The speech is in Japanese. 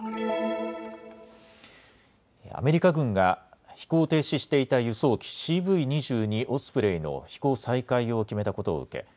アメリカ軍が飛行停止していた輸送機、ＣＶ２２オスプレイの飛行再開を決めたことを受け